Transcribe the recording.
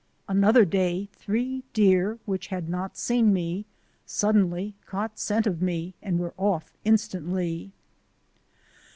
Another day three deer, which had not seen me, suddenly caught scent of me and were off instantly.